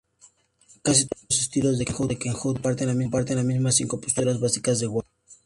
Casi todos los estilos de kenjutsu comparten las mismas cinco posturas básicas de guardia.